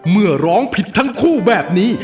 เมื่อร้องผิดทั้งคู่แบบนี้